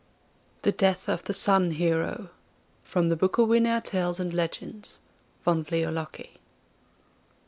THE DEATH OF THE SUN HERO (27) (27) From the Bukowinaer Tales and Legends. Von Wliolocki.